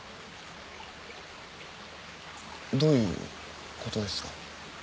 どういうことですか？